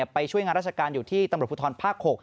ไปช่วยงานราชการอยู่ที่ตำรวจภูทรภาค๖